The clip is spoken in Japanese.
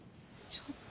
ちょっと。